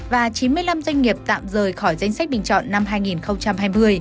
và chín mươi năm doanh nghiệp tạm rời khỏi danh sách bình chọn năm hai nghìn hai mươi